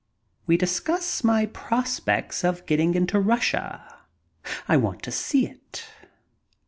We discuss my prospects of getting into Russia. I want to see it.